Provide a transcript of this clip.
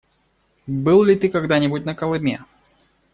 Был ли ты когда-нибудь на Колыме?